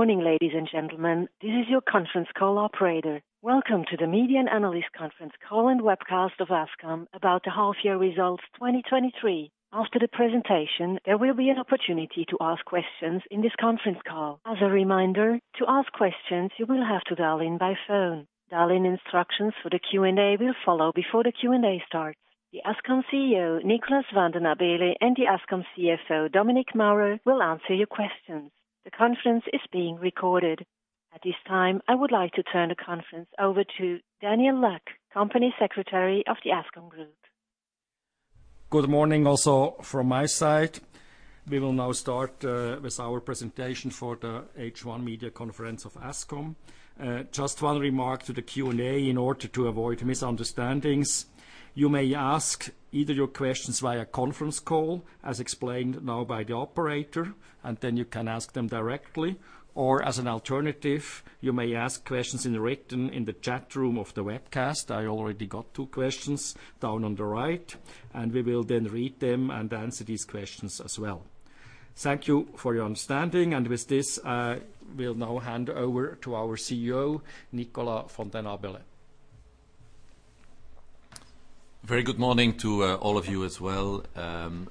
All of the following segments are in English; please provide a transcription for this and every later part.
Morning, ladies and gentlemen, this is your conference call operator. Welcome to the Media and Analyst Conference Call and Webcast of Ascom about the half year results 2023. After the presentation, there will be an opportunity to ask questions in this conference call. As a reminder, to ask questions, you will have to dial in by phone. Dial-in instructions for the Q&A will follow before the Q&A starts. The Ascom CEO, Nicolas van den Abeele, and the Ascom CFO, Dominik Maurer, will answer your questions. The conference is being recorded. At this time, I would like to turn the conference over to Daniel Luck, Company Secretary of the Ascom Group. Good morning also from my side. We will now start with our presentation for the H1 media conference of Ascom. Just one remark to the Q&A in order to avoid misunderstandings, you may ask either your questions via conference call, as explained now by the operator, and then you can ask them directly, or as an alternative, you may ask questions in written in the chat room of the webcast. I already got two questions down on the right. We will then read them and answer these questions as well. Thank you for your understanding. With this, I will now hand over to our CEO, Nicolas van den Abeele. Very good morning to all of you as well.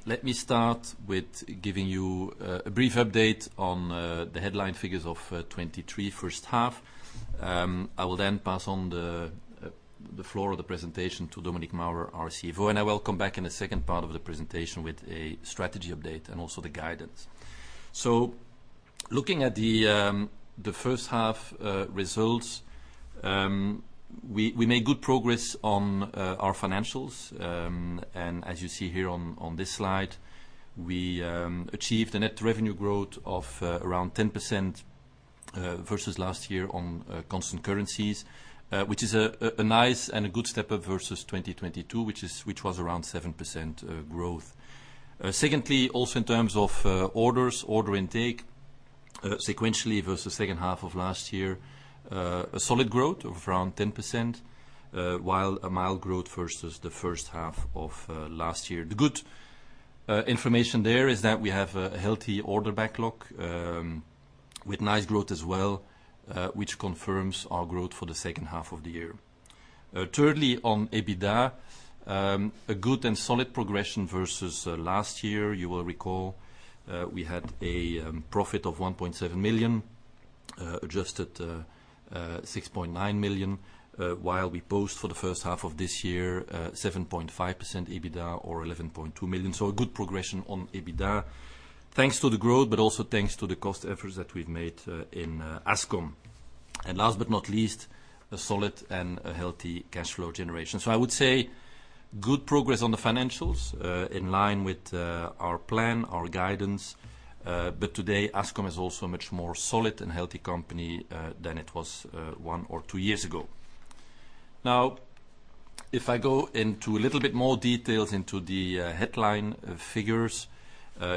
Let me start with giving you a brief update on the headline figures of 2023 first half. I will then pass on the floor of the presentation to Dominik Maurer, our CFO, and I will come back in the second part of the presentation with a strategy update and also the guidance. Looking at the first half results, we made good progress on our financials. As you see here on this slide, we achieved a net revenue growth of around 10% versus last year on constant currencies, which is a nice and a good step up versus 2022, which was around 7% growth. Secondly, also in terms of orders, order intake, sequentially versus second half of last year, a solid growth of around 10%, while a mild growth versus the first half of last year. The good information there is that we have a healthy order backlog, with nice growth as well, which confirms our growth for the second half of the year. Thirdly, on EBITDA, a good and solid progression versus last year. You will recall, we had a profit of 1.7 million, adjusted 6.9 million, while we post for the first half of this year, 7.5% EBITDA or 11.2 million. A good progression on EBITDA, thanks to the growth, but also thanks to the cost efforts that we've made in Ascom. Last but not least, a solid and a healthy cash flow generation. I would say, good progress on the financials, in line with our plan, our guidance, but today, Ascom is also a much more solid and healthy company than it was one or two years ago. If I go into a little bit more details into the headline figures,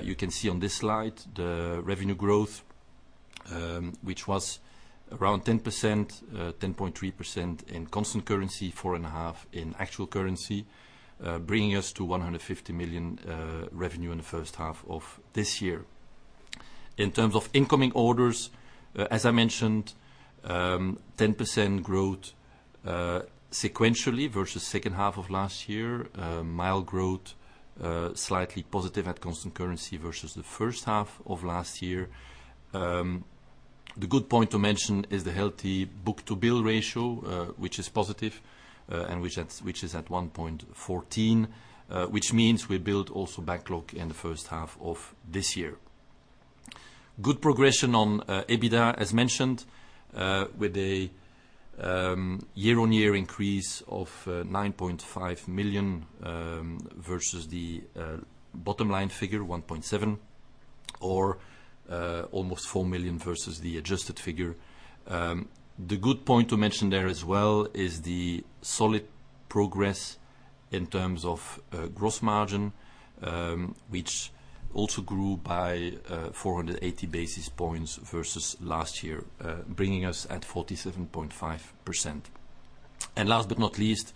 you can see on this slide the revenue growth, which was around 10%, 10.3% in constant currency, 4.5% in actual currency, bringing us to 150 million revenue in the first half of this year. In terms of incoming orders, as I mentioned, 10% growth sequentially versus second half of last year. Mild growth, slightly positive at constant currency versus the first half of last year. The good point to mention is the healthy book-to-bill ratio, which is positive, and which is at 1.14, which means we build also backlog in the first half of this year. Good progression on EBITDA, as mentioned, with a year-on-year increase of 9.5 million versus the bottom line figure, 1.7 million, or almost 4 million versus the adjusted figure. The good point to mention there as well is the solid progress in terms of gross margin, which also grew by 480 basis points versus last year, bringing us at 47.5%. Last but not least,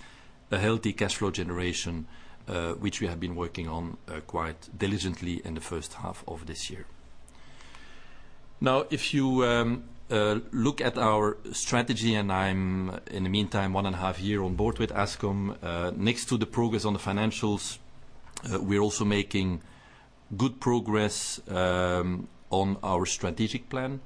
a healthy cash flow generation, which we have been working on quite diligently in the first half of this year. Now, if you look at our strategy, and I'm in the meantime, one and a half year on board with Ascom, next to the progress on the financials, we are also making good progress on our strategic plan.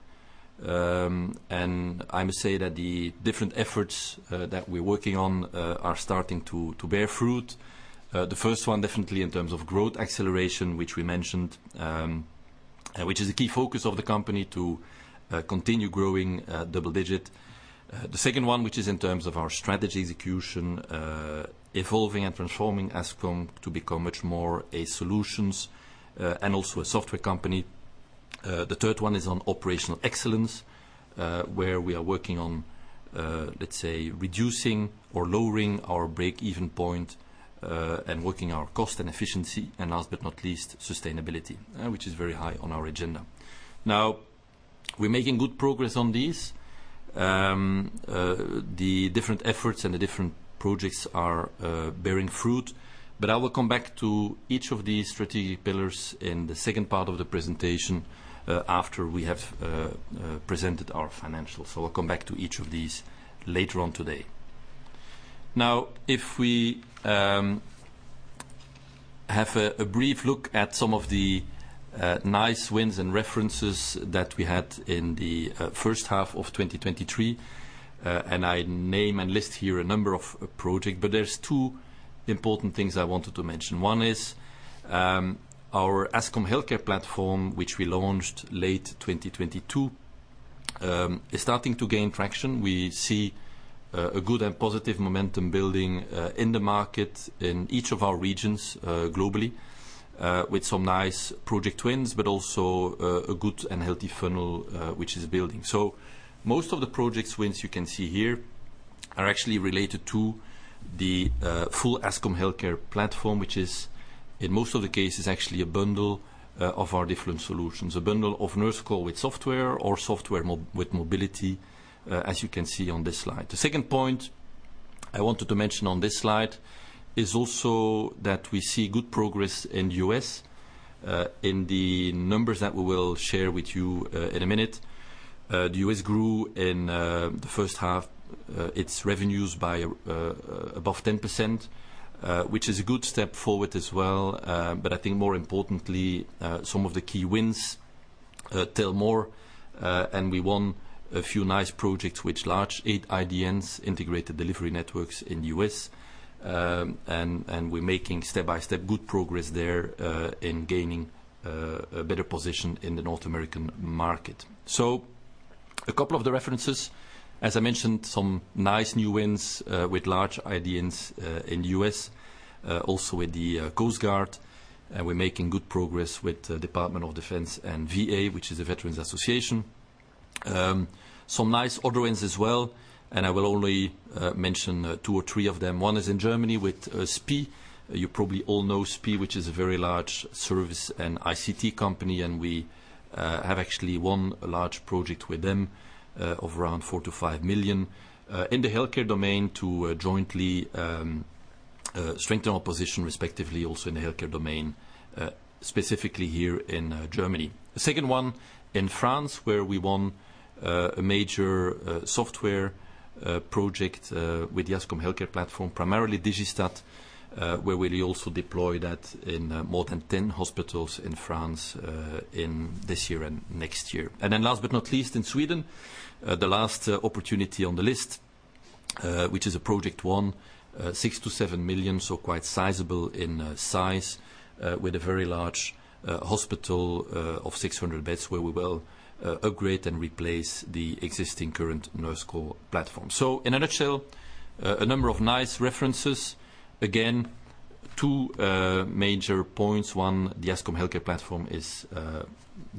I must say that the different efforts that we're working on are starting to bear fruit. The first one, definitely in terms of growth acceleration, which we mentioned, which is a key focus of the company to continue growing double-digit. The second one, which is in terms of our strategy execution, evolving and transforming Ascom to become much more a solutions and also a software company. The third one is on operational excellence, where we are working on, let's say, reducing or lowering our break-even point and working our cost and efficiency, and last but not least, sustainability, which is very high on our agenda. Now, we're making good progress on this. The different efforts and the different projects are bearing fruit. I will come back to each of these strategic pillars in the second part of the presentation, after we have presented our financials. I'll come back to each of these later on today. If we have a brief look at some of the nice wins and references that we had in the first half of 2023, I name and list here a number of project. There's two important things I wanted to mention. One is our Ascom Healthcare Platform, which we launched late 2022, is starting to gain traction. We see a good and positive momentum building in the market in each of our regions globally, with some nice project wins, but also a good and healthy funnel which is building. Most of the projects wins you can see here are actually related to the full Ascom Healthcare Platform, which is, in most of the cases, actually a bundle of our different solutions. A bundle of Nurse Call with software or software with mobility, as you can see on this slide. The second point I wanted to mention on this slide is also that we see good progress in the U.S. In the numbers that we will share with you in a minute, the U.S. grew in the first half its revenues by above 10%, which is a good step forward as well. I think more importantly, some of the key wins tell more, and we won a few nice projects with large 8 IDNs, integrated delivery networks, in the U.S. And, and we're making step-by-step good progress there, in gaining a better position in the North American market. A couple of the references, as I mentioned, some nice new wins with large IDNs in the U.S., also with the Coast Guard. We're making good progress with the Department of Defense and VA, which is a veterans association. Some nice order wins as well, and I will only mention two or three of them. One is in Germany with SPIE. You probably all know SPIE, which is a very large service and ICT company, and we have actually won a large project with them of around 4 million-5 million in the healthcare domain, to jointly strengthen our position, respectively, also in the healthcare domain, specifically here in Germany. The second one, in France, where we won a major software project with the Ascom Healthcare Platform. Primarily Digistat, where we also deploy that in more than 10 hospitals in France in this year and next year. Last but not least, in Sweden, the last opportunity on the list, which is a project won, 6 million-7 million, so quite sizable in size, with a very large hospital of 600 beds, where we will upgrade and replace the existing current Nurse Call platform. In a nutshell, a number of nice references. Again, two major points. One, the Ascom Healthcare Platform is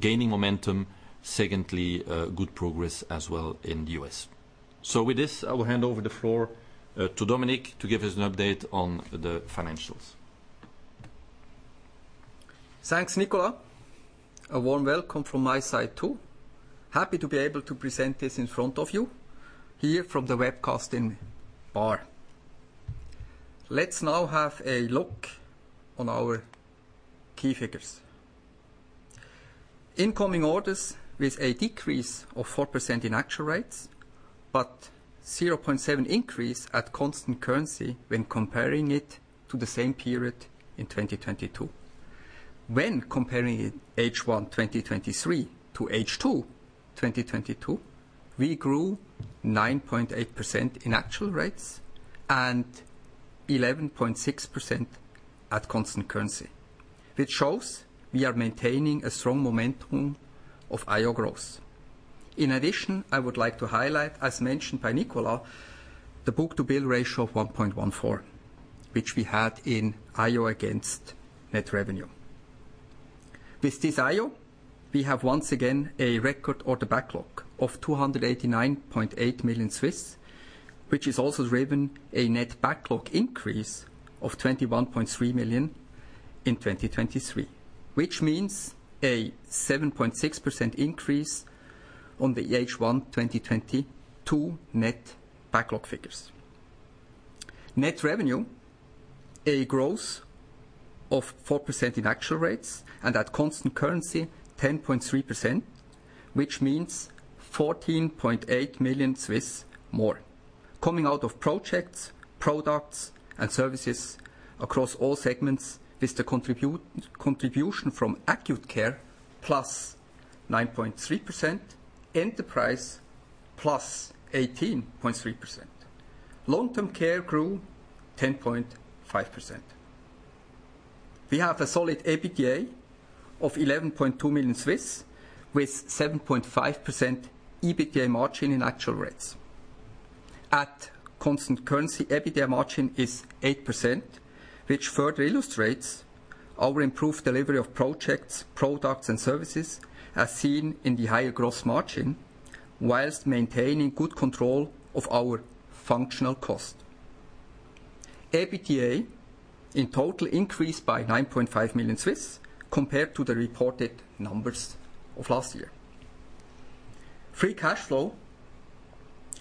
gaining momentum. Secondly, good progress as well in the U.S. With this, I will hand over the floor to Dominik to give us an update on the financials. Thanks, Nicolas. A warm welcome from my side, too. Happy to be able to present this in front of you, here from the webcast in Baar. Let's now have a look on our key figures. Incoming orders with a decrease of 4% in actual rates, 0.7 increase at constant currency when comparing it to the same period in 2022. When comparing H1 2023 to H2 2022, we grew 9.8% in actual rates and 11.6% at constant currency, which shows we are maintaining a strong momentum of IO growth. In addition, I would like to highlight, as mentioned by Nicolas, the book-to-bill ratio of 1.14, which we had in IO against net revenue. With this IO, we have once again a record order backlog of 289.8 million, which has also driven a net backlog increase of 21.3 million in 2023, which means a 7.6% increase on the H1 2022 net backlog figures. Net revenue, a growth of 4% in actual rates, at constant currency, 10.3%, which means 14.8 million more. Coming out of projects, products, and services across all segments is the contribution from acute care, plus 9.3%, Enterprise, plus 18.3%. Long-term care grew 10.5%. We have a solid EBITDA of 11.2 million, with 7.5% EBITDA margin in actual rates. At constant currency, EBITDA margin is 8%, which further illustrates our improved delivery of projects, products, and services, as seen in the higher gross margin, whilst maintaining good control of our functional cost. EBITDA in total increased by 9.5 million, compared to the reported numbers of last year. Free cash flow,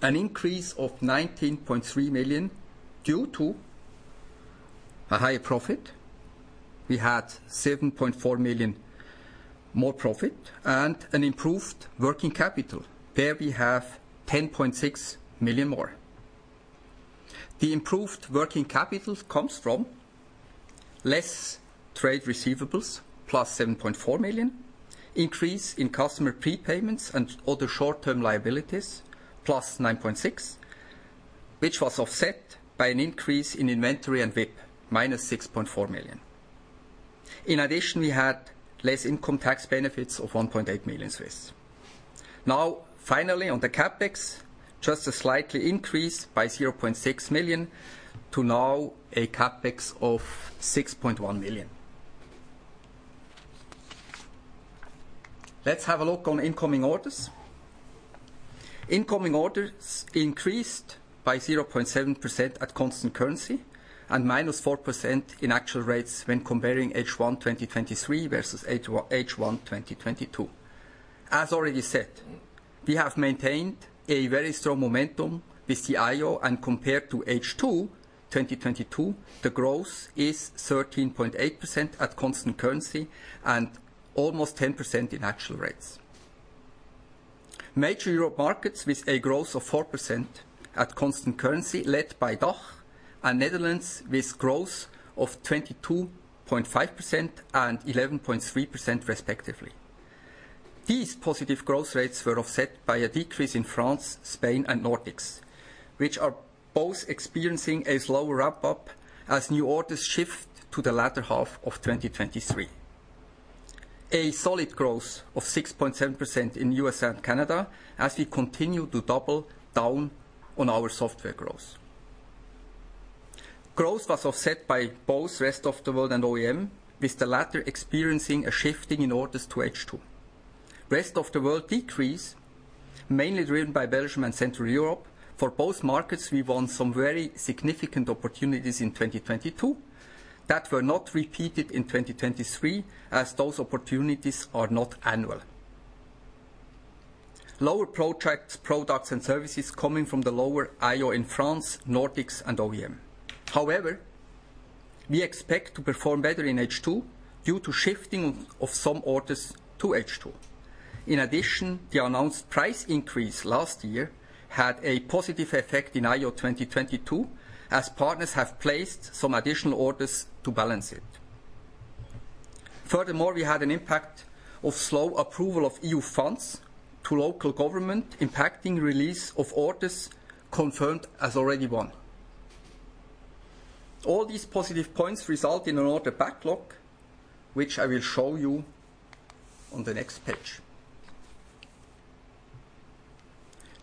an increase of 19.3 million due to a higher profit. We had 7.4 million more profit and an improved working capital, where we have 10.6 million more. The improved working capital comes from less trade receivables, +7.4 million; increase in customer prepayments and other short-term liabilities, +9.6, which was offset by an increase in inventory and WIP, -6.4 million. In addition, we had less income tax benefits of 1.8 million. Now, finally, on the CapEx, just a slightly increase by 0.6 million to now a CapEx of CHF 6.1 million. Let's have a look on incoming orders. Incoming orders increased by 0.7% at constant currency and minus 4% in actual rates when comparing H12023 versus H12022. As already said, we have maintained a very strong momentum with the IO, and compared to H22022, the growth is 13.8% at constant currency and almost 10% in actual rates. Major Europe markets with a growth of 4% at constant currency, led by DACH and Netherlands, with growth of 22.5% and 11.3% respectively. These positive growth rates were offset by a decrease in France, Spain, and Nordics, which are both experiencing a slower ramp-up as new orders shift to the latter half of 2023. A solid growth of 6.7% in U.S. and Canada as we continue to double down on our software growth. Growth was offset by both rest of the world and OEM, with the latter experiencing a shifting in orders to H2. Rest of the world decrease, mainly driven by Belgium and Central Europe. For both markets, we won some very significant opportunities in 2022 that were not repeated in 2023, as those opportunities are not annual. Lower projects, products, and services coming from the lower IO in France, Nordics, and OEM. We expect to perform better in H2 due to shifting of some orders to H2. In addition, the announced price increase last year had a positive effect in IO 2022, as partners have placed some additional orders to balance it. Furthermore, we had an impact of slow approval of EU funds to local government, impacting release of orders confirmed as already won. All these positive points result in an order backlog, which I will show you on the next page.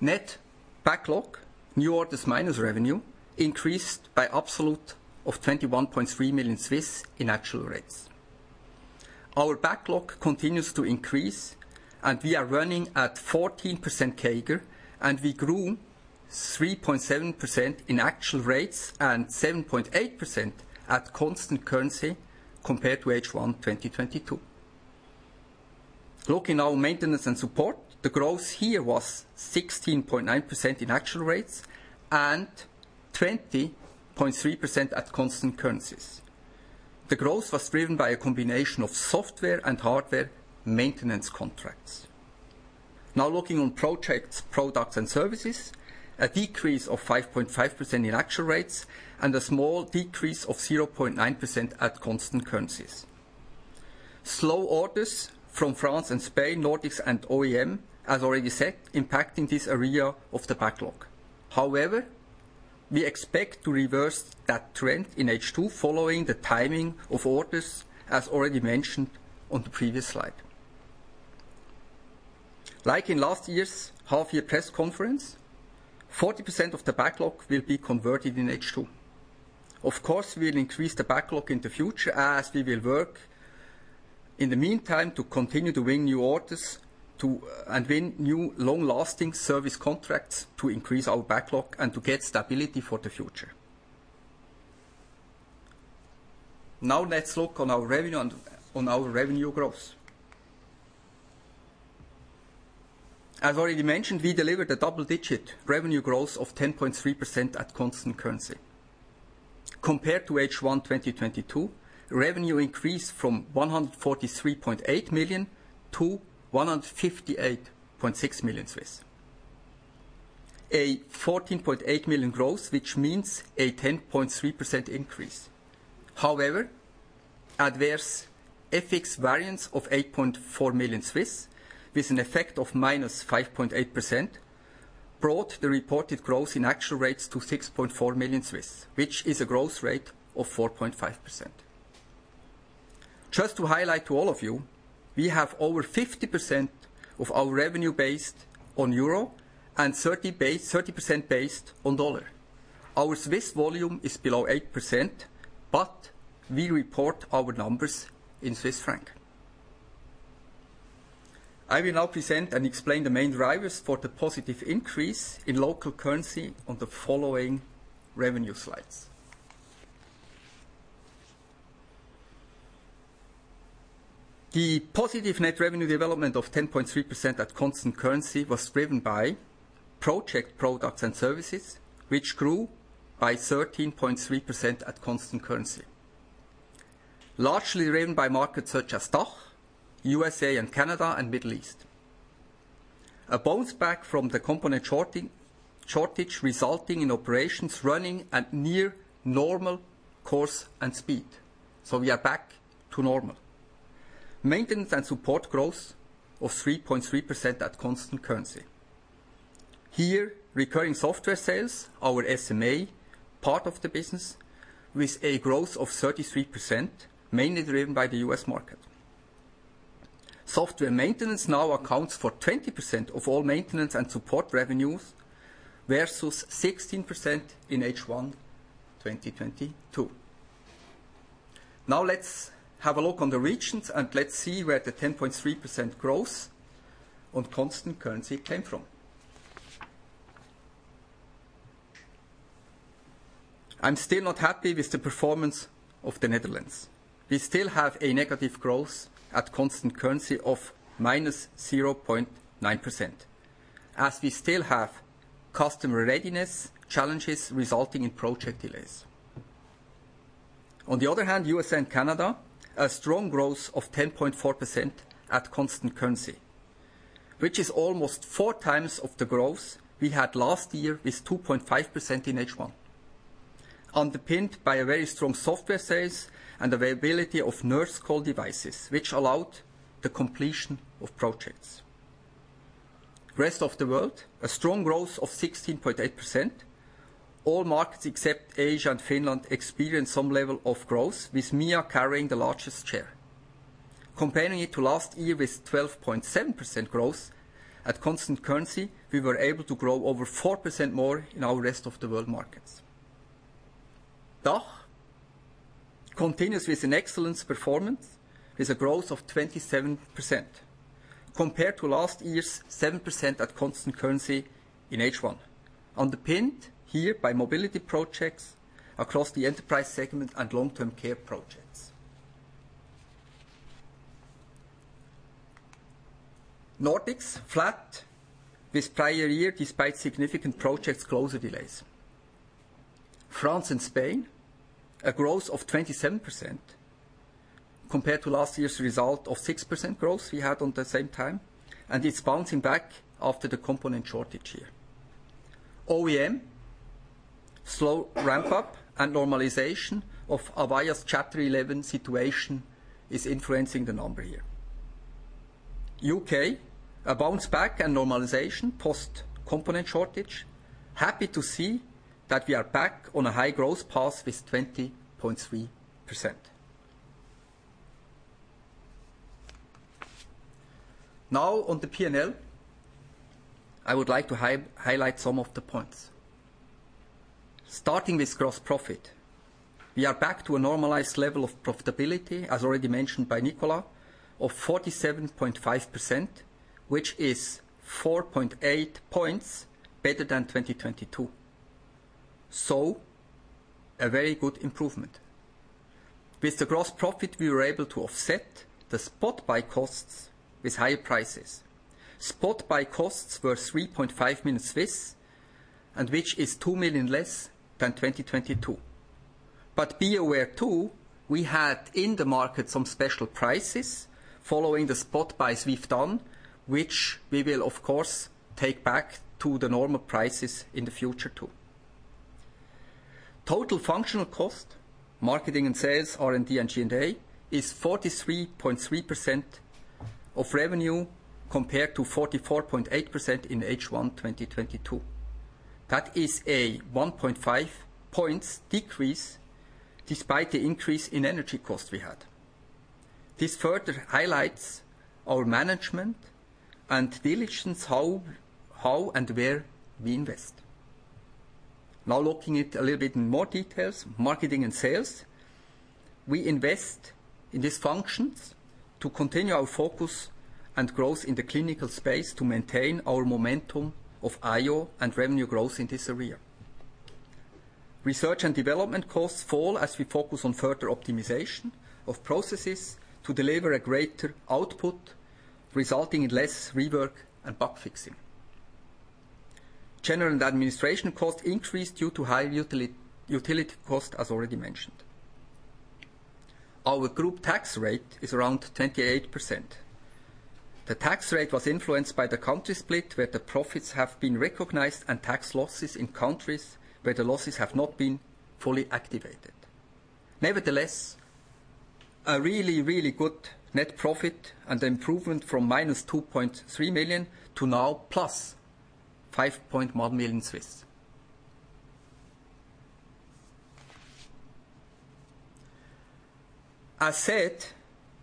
Net backlog, new orders minus revenue, increased by absolute of 21.3 million in actual rates. Our backlog continues to increase, and we are running at 14% CAGR, and we grew 3.7% in actual rates and 7.8% at constant currency compared to H1 2022. Looking now maintenance and support, the growth here was 16.9% in actual rates and 20.3% at constant currencies. The growth was driven by a combination of software and hardware maintenance contracts. Looking on projects, products, and services, a decrease of 5.5% in actual rates and a small decrease of 0.9% at constant currencies. Slow orders from France and Spain, Nordics and OEM, as already said, impacting this area of the backlog. We expect to reverse that trend in H2, following the timing of orders, as already mentioned on the previous slide. Like in last year's half-year press conference, 40% of the backlog will be converted in H2. Of course, we'll increase the backlog in the future as we will work in the meantime to continue to win new orders and win new long-lasting service contracts to increase our backlog and to get stability for the future. Let's look on our revenue and on our revenue growth. As already mentioned, we delivered a double-digit revenue growth of 10.3% at constant currency. Compared to H12022, revenue increased from 143.8 million to 158.6 million. A 14.8 million growth, which means a 10.3% increase. However, adverse FX variance of 8.4 million, with an an effect of -5.8%, brought the reported growth in actual rates to 6.4 million, which is a growth rate of 4.5%. Just to highlight to all of you, we have over 50% of our revenue based on euro and 30% based on dollar. Our Swiss volume is below 8%, but we report our numbers in Swiss franc. I will now present and explain the main drivers for the positive increase in local currency on the following revenue slides. The positive net revenue development of 10.3% at constant currency was driven by project products and services, which grew by 13.3% at constant currency. Largely driven by markets such as DACH, USA and Canada, and Middle East. A bounce back from the component shorting, shortage, resulting in operations running at near normal course and speed, so we are back to normal. Maintenance and support growth of 3.3% at constant currency. Here, recurring software sales, our SMA part of the business, with a growth of 33%, mainly driven by the U.S. market. Software maintenance now accounts for 20% of all maintenance and support revenues, versus 16% in H1 2022. Let's have a look on the regions and let's see where the 10.3% growth on constant currency came from. I'm still not happy with the performance of the Netherlands. We still have a negative growth at constant currency of -0.9%, as we still have customer readiness challenges resulting in project delays. On the other hand, U.S. and Canada, a strong growth of 10.4% at constant currency, which is almost four times of the growth we had last year, with 2.5% in H1, underpinned by a very strong software sales and availability of NERSC devices, which allowed the completion of projects. Rest of the world, a strong growth of 16.8%. All markets except Asia and Finland experienced some level of growth, with EMEA carrying the largest share. Comparing it to last year with 12.7% growth at constant currency, we were able to grow over 4% more in our rest of the world markets. DACH continues with an excellent performance, with a growth of 27%, compared to last year's 7% at constant currency in H1, underpinned here by mobility projects across the Enterprise segment and Long-term care projects. Nordics, flat this prior year, despite significant projects closure delays. France and Spain, a growth of 27% compared to last year's result of 6% growth we had on the same time, and it's bouncing back after the component shortage here. OEM, slow ramp-up and normalization of Avaya's Chapter 11 situation is influencing the number here. UK, a bounce back and normalization post-component shortage. Happy to see that we are back on a high growth path with 20.3%. On the P&L, I would like to highlight some of the points. Starting with gross profit, we are back to a normalized level of profitability, as already mentioned by Nicolas, of 47.5%, which is 4.8 points better than 2022. A very good improvement. With the gross profit, we were able to offset the spot buy costs with higher prices. Spot buy costs were 3.5 million, and which is 2 million less than 2022. Be aware, too, we had in the market some special prices following the spot buys we've done, which we will of course, take back to the normal prices in the future, too. Total functional cost, marketing and sales, R&D and G&A, is 43.3% of revenue, compared to 44.8% in H1, 2022. That is a 1.5 points decrease, despite the increase in energy cost we had. This further highlights our management and diligence, how and where we invest. Looking at a little bit more details, marketing and sales. We invest in these functions to continue our focus and growth in the clinical space to maintain our momentum of IO and revenue growth in this area. Research and development costs fall as we focus on further optimization of processes to deliver a greater output, resulting in less rework and bug fixing. General and administration costs increased due to high utility costs, as already mentioned. Our group tax rate is around 28%. The tax rate was influenced by the country split, where the profits have been recognized and tax losses in countries where the losses have not been fully activated. Nevertheless, a really, really good net profit and improvement from -2.3 million to now +5.1 million. As said,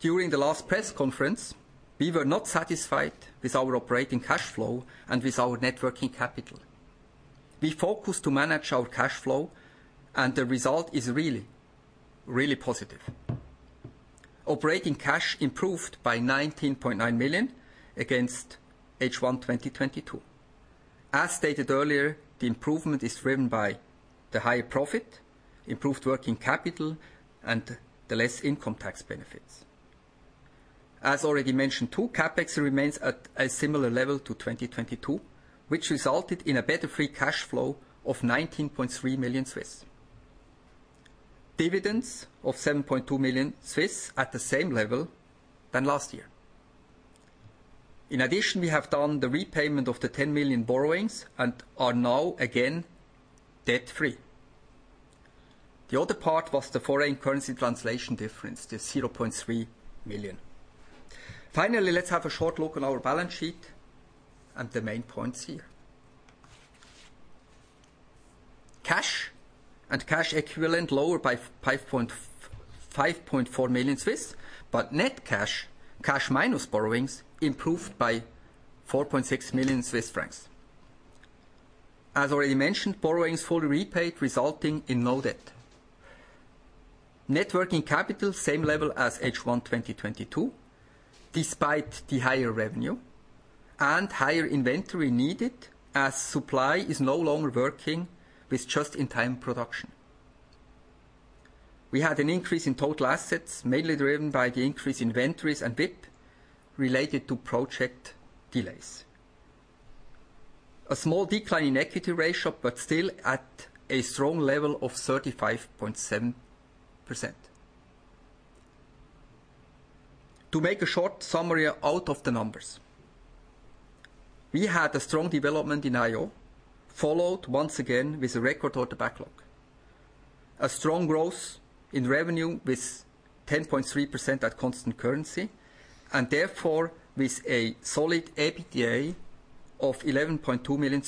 during the last press conference, we were not satisfied with our operating cash flow and with our net working capital. We focus to manage our cash flow. The result is really, really positive. Operating cash improved by 19.9 million against H1, 2022. As stated earlier, the improvement is driven by the higher profit, improved working capital, and the less income tax benefits. As already mentioned, too, CapEx remains at a similar level to 2022, which resulted in a better free cash flow of 19.3 million. Dividends of 7.2 million, at the same level than last year. In addition, we have done the repayment of the 10 million borrowings and are now again debt-free. The other part was the foreign currency translation difference, the 0.3 million. Finally, let's have a short look on our balance sheet and the main points here. Cash and cash equivalent, lower by 5.4 million, but net cash, cash minus borrowings, improved by 4.6 million Swiss francs. As already mentioned, borrowings fully repaid, resulting in no debt. Net working capital, same level as H1 2022, despite the higher revenue and higher inventory needed, as supply is no longer working with just-in-time production. We had an increase in total assets, mainly driven by the increase in inventories and WIP, related to project delays. A small decline in equity ratio, but still at a strong level of 35.7%. To make a short summary out of the numbers, we had a strong development in IO, followed once again with a record order backlog. A strong growth in revenue with 10.3% at constant currency, and therefore with a solid EBITDA of 11.2 million,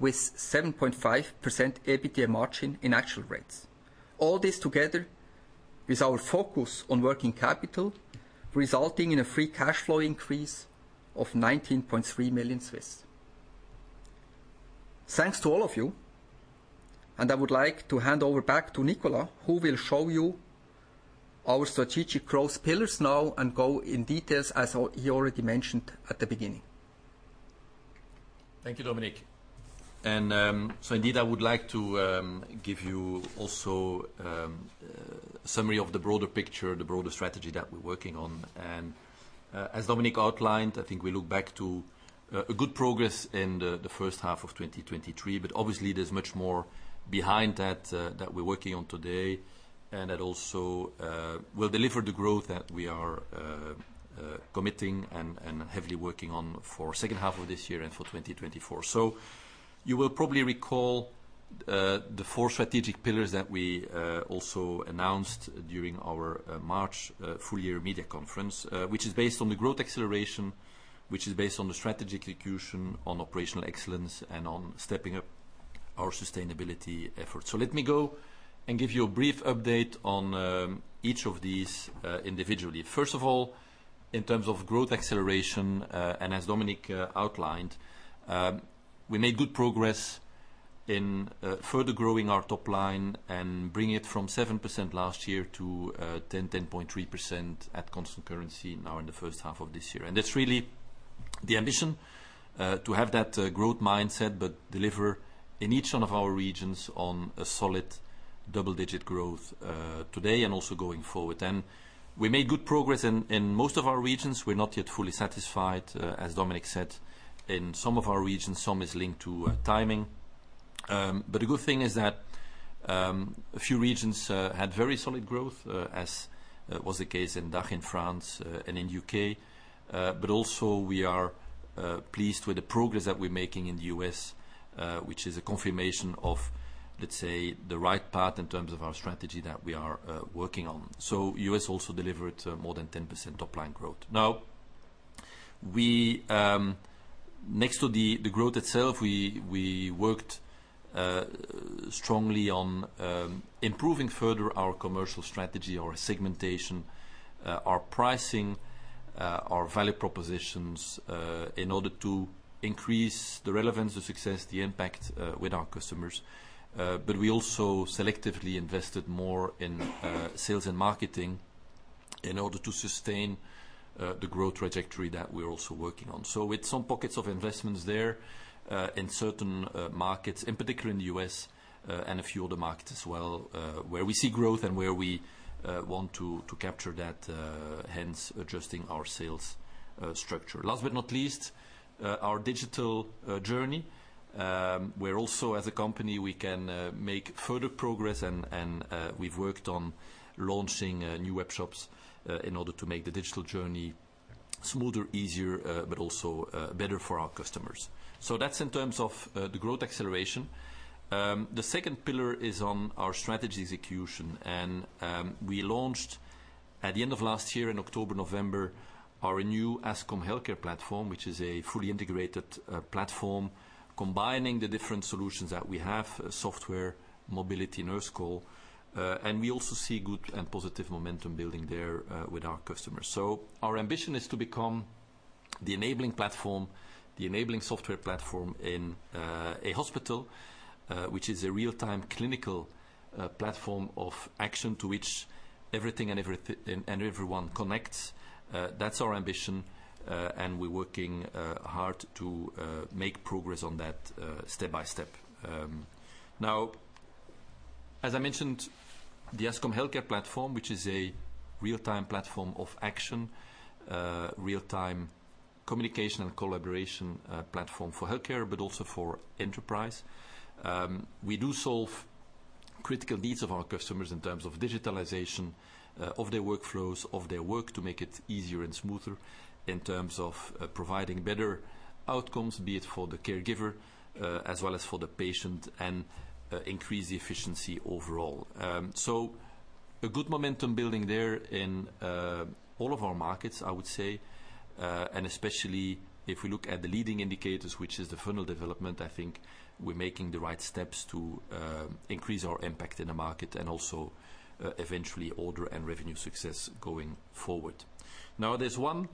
with 7.5% EBITDA margin in actual rates. All this together with our focus on working capital, resulting in a free cash flow increase of 19.3 million. Thanks to all of you, I would like to hand over back to Nicolas, who will show you our strategic growth pillars now and go in details, as he already mentioned at the beginning. Thank you, Dominik. Indeed, I would like to give you also a summary of the broader picture, the broader strategy that we're working on. As Dominik outlined, I think we look back to a good progress in the first half of 2023, obviously, there's much more behind that that we're working on today. That also will deliver the growth that we are committing and, and heavily working on for second half of this year and for 2024. You will probably recall the four strategic pillars that we also announced during our March full year media conference, which is based on the growth acceleration, which is based on the strategy execution, on operational excellence, and on stepping up our sustainability efforts. Let me go and give you a brief update on each of these individually. First of all, in terms of growth acceleration, and as Dominik outlined, we made good progress in further growing our top line and bringing it from 7% last year to 10.3% at constant currency now in the first half of this year. That's really the ambition to have that growth mindset, but deliver in each one of our regions on a solid double-digit growth today and also going forward. We made good progress in most of our regions. We're not yet fully satisfied, as Dominik said, in some of our regions, some is linked to timing. The good thing is that a few regions had very solid growth, as was the case in DACH, in France, and in UK. Also we are pleased with the progress that we're making in the U.S., which is a confirmation of the right path in terms of our strategy that we are working on. U.S. also delivered more than 10% top-line growth. We, next to the growth itself, we worked strongly on improving further our commercial strategy, our segmentation, our pricing, our value propositions, in order to increase the relevance, the success, the impact, with our customers. We also selectively invested more in sales and marketing in order to sustain the growth trajectory that we're also working on. With some pockets of investments there, in certain markets, in particular in the U.S., and a few other markets as well, where we see growth and where we want to, to capture that, hence adjusting our sales structure. Last but not least, our digital journey, where also as a company, we can make further progress and, and, we've worked on launching new web shops, in order to make the digital journey smoother, easier, but also better for our customers. That's in terms of the growth acceleration. The second pillar is on our strategy execution, we launched at the end of last year, in October, November, our new Ascom Healthcare Platform, which is a fully integrated platform, combining the different solutions that we have, software, mobility, Nurse Call. We also see good and positive momentum building there with our customers. Our ambition is to become the enabling platform, the enabling software platform in a hospital, which is a real-time clinical platform of action to which everything and everyone connects. That's our ambition, and we're working hard to make progress on that step by step. Now, as I mentioned, the Ascom Healthcare Platform, which is a real-time platform of action, real-time communication and collaboration platform for healthcare, but also for Enterprise. We do solve critical needs of our customers in terms of digitalization of their workflows, of their work, to make it easier and smoother, in terms of providing better outcomes, be it for the caregiver, as well as for the patient, and increase the efficiency overall. A good momentum building there in all of our markets, I would say. Especially if we look at the leading indicators, which is the funnel development, I think we're making the right steps to increase our impact in the market, and also eventually, order and revenue success going forward. Now, there's one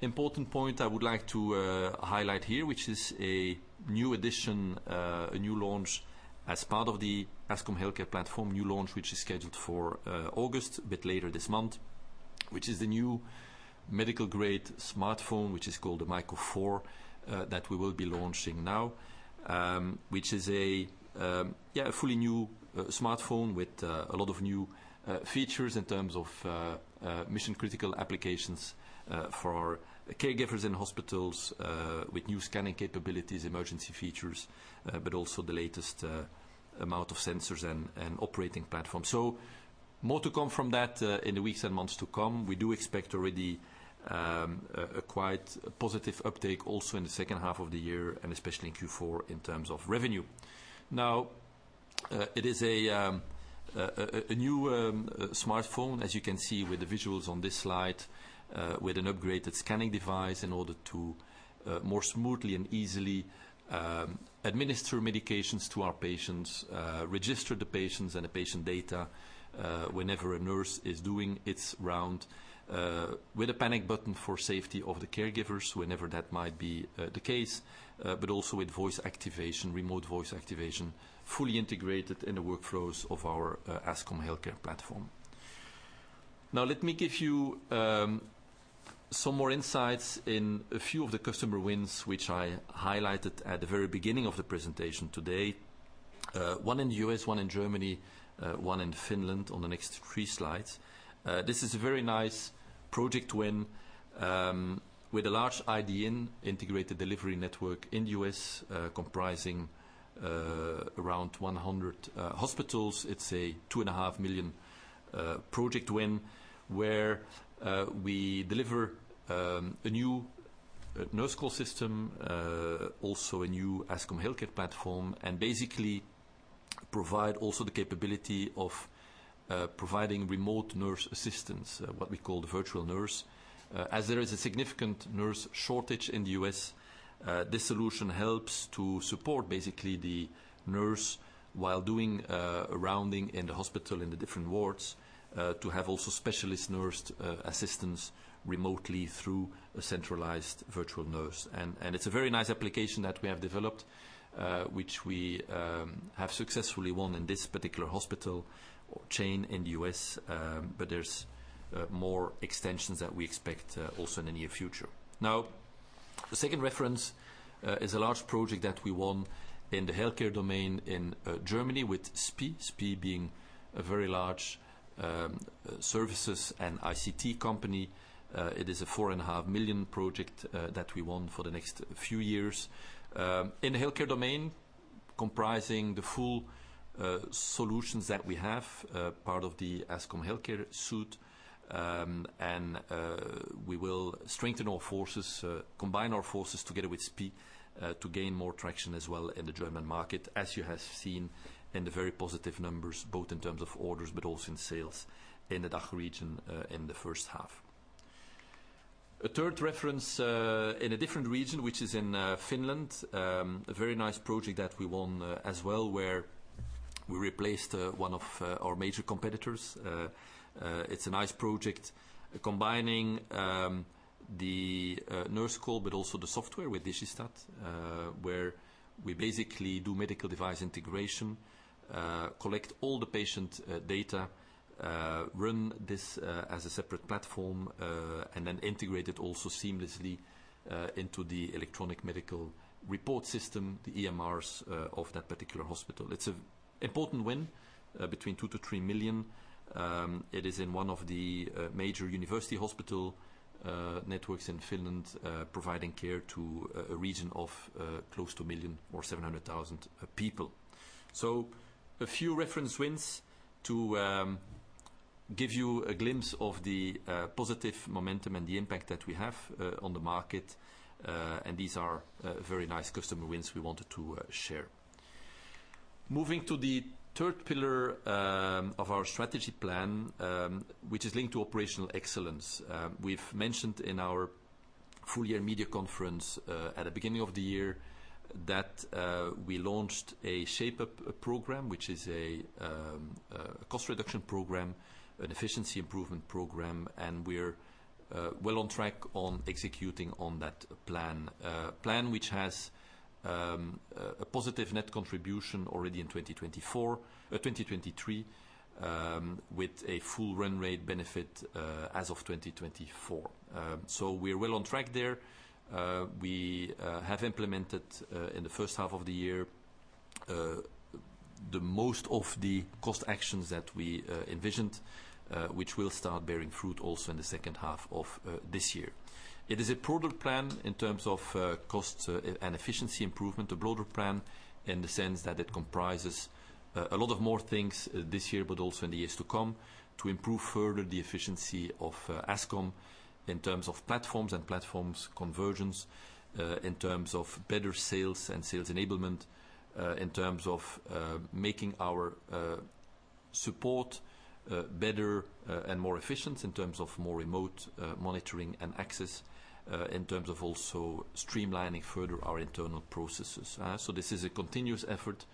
important point I would like to highlight here, which is a new addition, a new launch as part of the Ascom Healthcare Platform. New launch, which is scheduled for August, a bit later this month, which is the new medical-grade smartphone, which is called the Myco4, that we will be launching now. Which is a, yeah, a fully new, smartphone with, a lot of new, features in terms of, mission-critical applications, for caregivers in hospitals, with new scanning capabilities, emergency features, but also the latest, amount of sensors and, and operating platforms. More to come from that, in the weeks and months to come. We do expect already, a, a quite positive uptake also in the second half of the year, and especially in Q4, in terms of revenue. Now, it is a new smartphone, as you can see with the visuals on this slide, with an upgraded scanning device, in order to more smoothly and easily administer medications to our patients, register the patients and the patient data whenever a nurse is doing its round. With a panic button for safety of the caregivers, whenever that might be the case, but also with voice activation, remote voice activation, fully integrated in the workflows of our Ascom Healthcare Platform. Now, let me give you some more insights in a few of the customer wins, which I highlighted at the very beginning of the presentation today. One in the U.S., 1 in Germany, 1 in Finland, on the next three slides. This is a very nice project win with a large IDN, integrated delivery network, in the U.S., comprising around 100 hospitals. It's a 2.5 million project win, where we deliver a new Nurse Call system, also a new Ascom Healthcare Platform, and basically provide also the capability of providing remote nurse assistance, what we call the virtual nurse. As there is a significant nurse shortage in the U.S., this solution helps to support basically the nurse while doing rounding in the hospital, in the different wards, to have also specialist nurse assistance remotely through a centralized virtual nurse. It's a very nice application that we have developed, which we have successfully won in this particular hospital chain in the U.S. There's more extensions that we expect also in the near future. Now, the second reference is a large project that we won in the healthcare domain in Germany with SPIE. SPIE being a very large services and ICT company. It is a 4.5 million project that we won for the next few years in the healthcare domain, comprising the full solutions that we have part of the Ascom Healthcare suite. We will strengthen our forces, combine our forces together with SPIE, to gain more traction as well in the German market, as you have seen in the very positive numbers, both in terms of orders, but also in sales in the DACH region in the first half. A third reference, in a different region, which is in Finland. A very nice project that we won, as well, where we replaced, one of our, major competitors. It's a nice project combining, the, Nurse Call, but also the software with Digistat, where we basically do medical device integration, collect all the patient, data, run this, as a separate platform, and then integrate it also seamlessly, into the electronic medical report system, the EMRs, of that particular hospital. It's an important win, between 2 million-3 million. It is in one of the, major university hospital, networks in Finland, providing care to a, a region of, close to 1 million or 700,000, people. A few reference wins to give you a glimpse of the positive momentum and the impact that we have on the market. These are very nice customer wins we wanted to share. Moving to the third pillar of our strategy plan, which is linked to operational excellence. We've mentioned in our full year media conference at the beginning of the year that we launched a Shape-up program, which is a cost reduction program, an efficiency improvement program, and we're well on track on executing on that plan. Plan which has a positive net contribution already in 2024, 2023, with a full run rate benefit as of 2024. We're well on track there. We have implemented in the first half of the year the most of the cost actions that we envisioned, which will start bearing fruit also in the second half of this year. It is a broader plan in terms of costs and efficiency improvement. A broader plan in the sense that it comprises a lot of more things this year, but also in the years to come, to improve further the efficiency of Ascom in terms of platforms and platforms convergence, in terms of better sales and sales enablement, in terms of making our support better and more efficient, in terms of more remote monitoring and access, in terms of also streamlining further our internal processes. This is a continuous effort,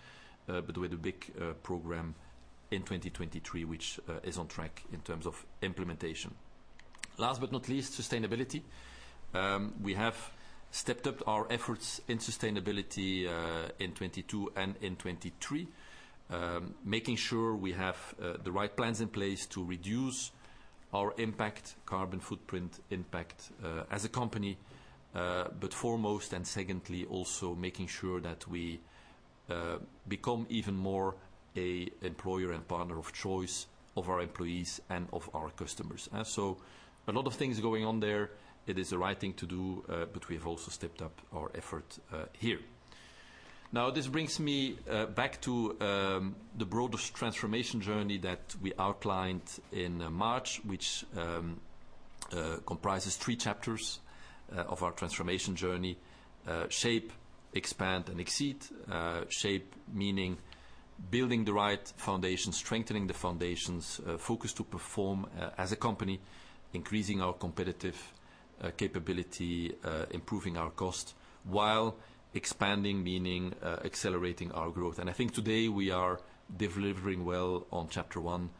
but with a big program in 2023, which is on track in terms of implementation. Last but not least, sustainability. We have stepped up our efforts in sustainability in 2022 and in 2023. Making sure we have the right plans in place to reduce our impact, carbon footprint impact, as a company, but foremost and secondly, also making sure that we become even more an employer and partner of choice of our employees and of our customers. A lot of things going on there, it is the right thing to do, but we've also stepped up our effort here. This brings me back to the broader transformation journey that we outlined in March, which comprises three chapters of our transformation journey: Shape, Expand, and Exceed. Shape, meaning building the right foundation, strengthening the foundations, focus to perform as a company, increasing our competitive capability, improving our cost, while Expanding, meaning accelerating our growth. I think today we are delivering well on chapter 1,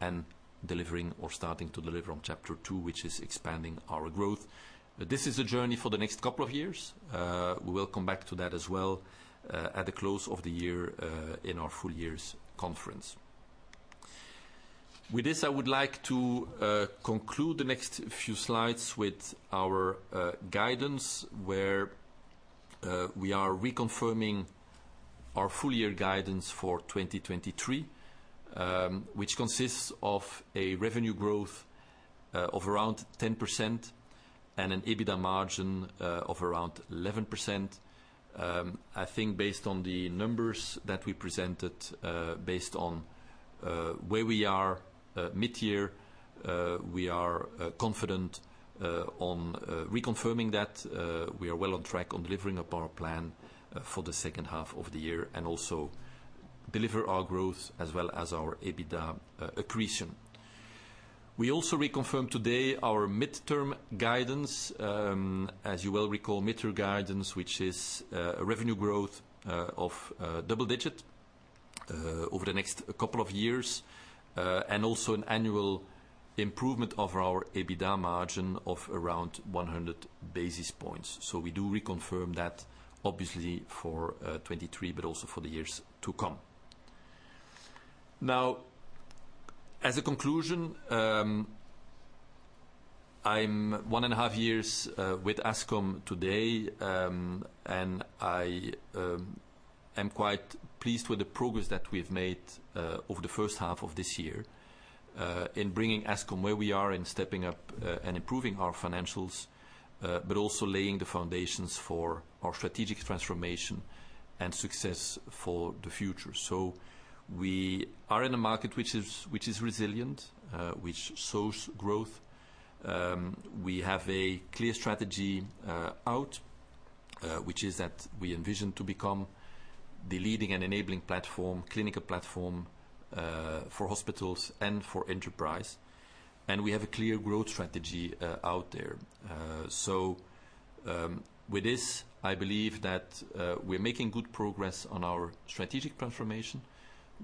and delivering or starting to deliver on chapter 2, which is expanding our growth. This is a journey for the next couple of years. We will come back to that as well at the close of the year in our full year's conference. With this, I would like to conclude the next few slides with our guidance, where we are reconfirming our full year guidance for 2023, which consists of a revenue growth of around 10% and an EBITDA margin of around 11%. I think based on the numbers that we presented, based on where we are mid-year, we are confident on reconfirming that. We are well on track on delivering upon our plan for the second half of the year, and also deliver our growth as well as our EBITDA accretion. We also reconfirm today our midterm guidance. As you well recall, midterm guidance, which is a revenue growth of double-digit over the next couple of years, and also an annual improvement of our EBITDA margin of around 100 basis points. We do reconfirm that, obviously, for 2023, but also for the years to come. As a conclusion, I'm 1.5 years with Ascom today, and I am quite pleased with the progress that we've made over the first half of this year in bringing Ascom where we are and stepping up and improving our financials, but also laying the foundations for our strategic transformation and success for the future. We are in a market which is, which is resilient, which shows growth. We have a clear strategy out, which is that we envision to become the leading and enabling platform, clinical platform, for hospitals and for Enterprise, and we have a clear growth strategy out there. With this, I believe that we're making good progress on our strategic transformation.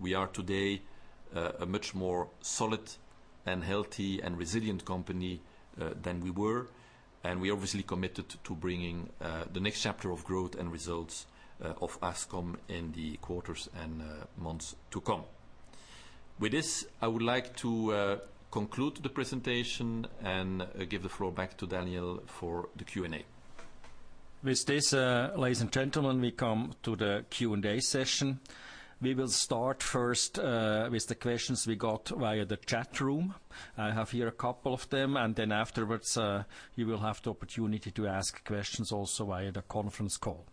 We are today a much more solid and healthy, and resilient company than we were, and we are obviously committed to bringing the next chapter of growth and results of Ascom in the quarters and months to come. With this, I would like to conclude the presentation and give the floor back to Daniel Luck for the Q&A. With this, ladies and gentlemen, we come to the Q&A session. We will start first with the questions we got via the chat room. I have here a couple of them, and then afterwards, you will have the opportunity to ask questions also via the conference call.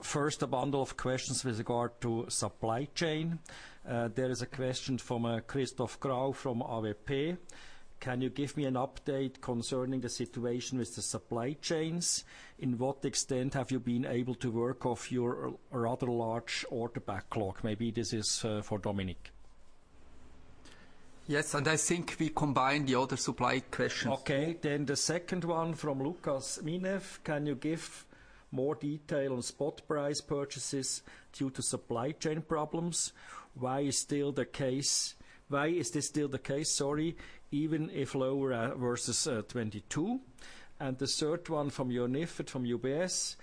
First, a bundle of questions with regard to supply chain. There is a question from Christoph Gretler from uncertain: Can you give me an update concerning the situation with the supply chains? In what extent have you been able to work off your rather large order backlog? Maybe this is for Dominik. Yes. I think we combine the other supply questions. Okay, the second one from Lucas Minef: Can you give more detail on spot price purchases due to supply chain problems? Why is this still the case, sorry, even if lower versus 2022? The third one from Joern Iffert, from UBS: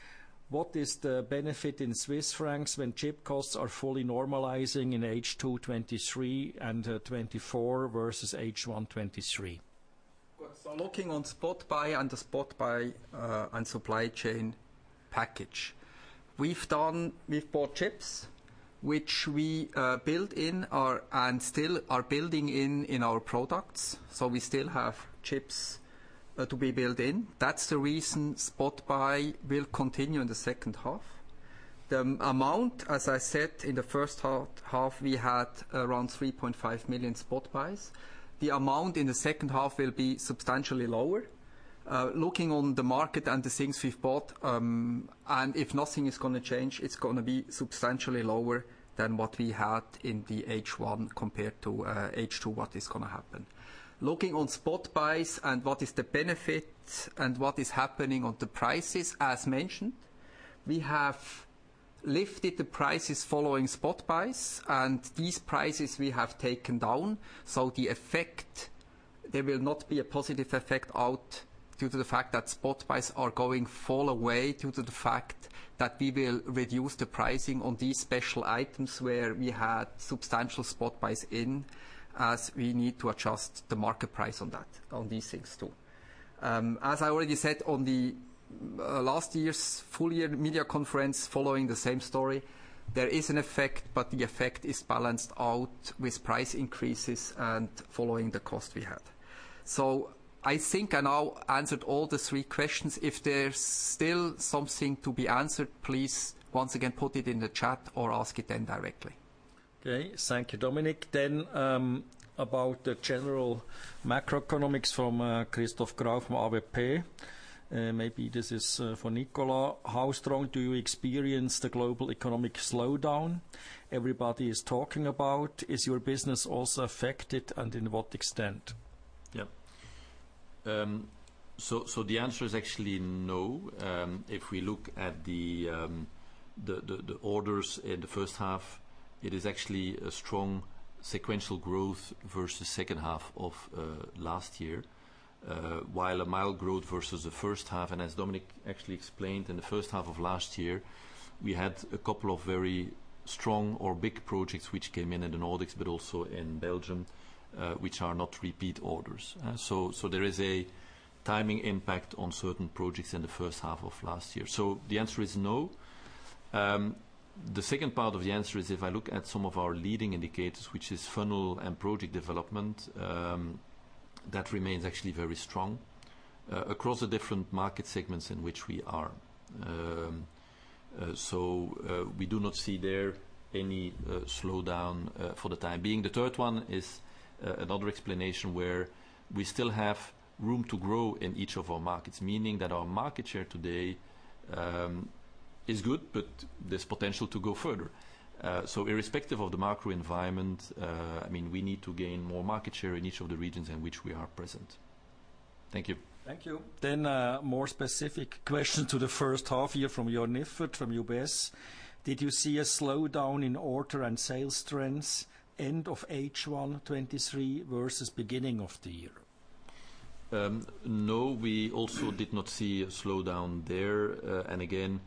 What is the benefit in Swiss francs when chip costs are fully normalizing in H2 2023 and 2024 versus H1 2023? Looking on spot buy and the spot buy and supply chain package. We've bought chips, which we built in, or, and still are building in, in our products, so we still have chips to be built in. That's the reason spot buy will continue in the second half. The amount, as I said, in the first half, we had around 3.5 million spot buys. The amount in the second half will be substantially lower. Looking on the market and the things we've bought, and if nothing is gonna change, it's gonna be substantially lower than what we had in the H1, compared to H2, what is gonna happen. Looking on spot buys and what is the benefit and what is happening on the prices, as mentioned, we have lifted the prices following spot buys, and these prices we have taken down. The effect, there will not be a positive effect out, due to the fact that spot buys are going fall away, due to the fact that we will reduce the pricing on these special items where we had substantial spot buys in, as we need to adjust the market price on that, on these things, too. As I already said, on the last year's full year media conference, following the same story, there is an effect, but the effect is balanced out with price increases and following the cost we had. I think I now answered all the three questions. If there's still something to be answered, please, once again, put it in the chat or ask it then directly. Okay, thank you, Dominik. About the general macroeconomics from Christoph Gretler, from AVP. Maybe this is for Nicolas. How strong do you experience the global economic slowdown everybody is talking about? Is your business also affected, and in what extent? Yep. The answer is actually no. If we look at the, the, the orders in the first half, it is actually a strong sequential growth versus second half of last year. While a mild growth versus the first half, as Dominik actually explained, in the first half of last year, we had a couple of very strong or big projects which came in, in the Nordics, but also in Belgium, which are not repeat orders. There is a timing impact on certain projects in the first half of last year. The answer is no. The second part of the answer is, if I look at some of our leading indicators, which is funnel and project development, that remains actually very strong across the different market segments in which we are. We do not see there any slowdown for the time being. The third one is another explanation, where we still have room to grow in each of our markets. Meaning that our market share today, is good, but there's potential to go further. Irrespective of the macro environment, I mean, we need to gain more market share in each of the regions in which we are present. Thank you. Thank you. A more specific question to the first half year from Joern Iffert, from UBS: Did you see a slowdown in order and sales trends end of H1 2023 versus beginning of the year? No, we also did not see a slowdown there. Again,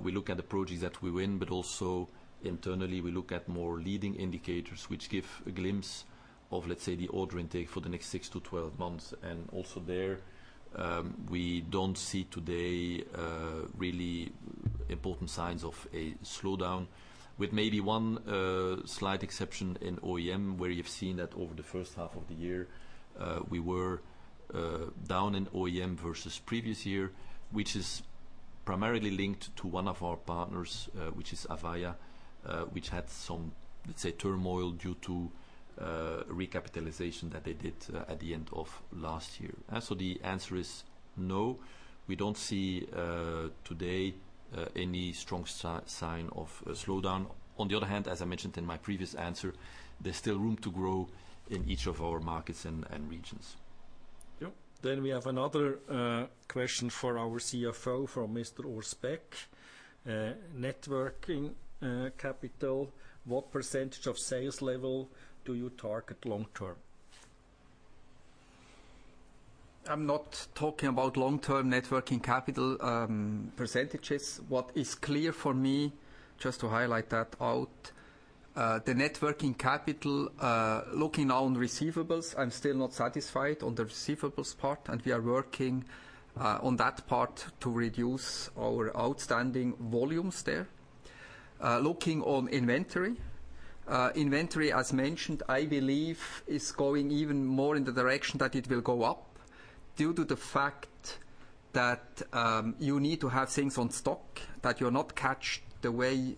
we look at the projects that we win, but also internally, we look at more leading indicators, which give a glimpse of, let's say, the order intake for the next 6 to 12 months. Today, we don't see really important signs of a slowdown. With maybe one slight exception in OEM, where you've seen that over the first half of the year, we were down in OEM versus previous year, which is primarily linked to one of our partners, which is Avaya. Which had some, let's say, turmoil due to recapitalization that they did at the end of last year. The answer is no, we don't see today any strong sign of a slowdown. On the other hand, as I mentioned in my previous answer, there's still room to grow in each of our markets and regions. Yep. We have another question for our CFO, from Mr. Orspeck. Networking capital, what percentage of sales level do you target long term? I'm not talking about long-term networking capital, %. What is clear for me, just to highlight that out, the networking capital, looking now on receivables, I'm still not satisfied on the receivables part, and we are working on that part to reduce our outstanding volumes there. Looking on inventory, inventory, as mentioned, I believe is going even more in the direction that it will go up, due to the fact that you need to have things on stock, that you're not caught the way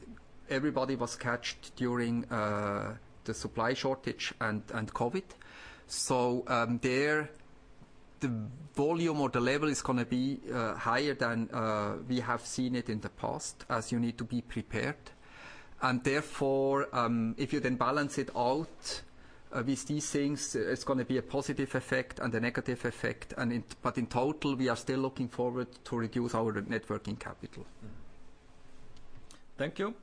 everybody was caught during the supply shortage and COVID. there-... the volume or the level is going to be higher than we have seen it in the past, as you need to be prepared. Therefore, if you then balance it out with these things, it's gonna be a positive effect and a negative effect, but in total, we are still looking forward to reduce our net working capital. Thank you.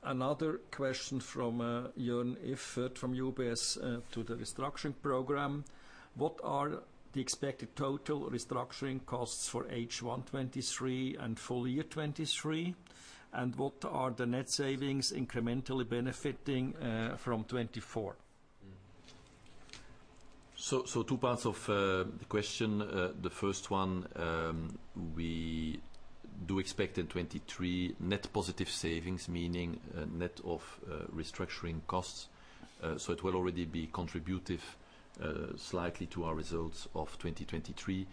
Another question from Joern Iffert from UBS to the restructuring program. What are the expected total restructuring costs for H1 2023 and full year 2023? What are the net savings incrementally benefiting from 2024? Two parts of the question. The first one, we do expect in 2023 net positive savings, meaning net of restructuring costs. It will already be contributive slightly to our results of 2023.